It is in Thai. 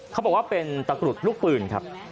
เขาบอกว่าเป็นตะกรุดลูกปืนครับ